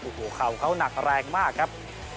โอ้โหเข่าเขาหนักแรงมากครับ